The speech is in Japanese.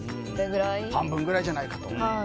半分くらいじゃないかと。